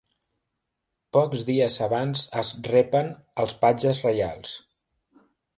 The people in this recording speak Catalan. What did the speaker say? Pocs dies abans es repen els patges reials.